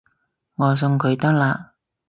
我送佢得喇